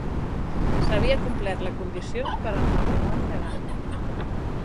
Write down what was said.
S'havia complert la condició per al matrimoni de Galla.